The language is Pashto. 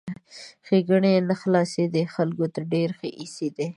ښېګڼې یې نه خلاصېدې ، خلکو ته ډېر ښه ایسېدی!